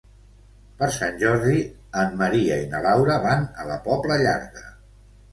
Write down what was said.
Per Sant Jordi en Maria i na Laura van a la Pobla Llarga.